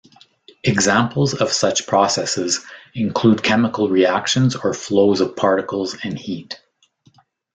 Examples of such processes include chemical reactions or flows of particles and heat.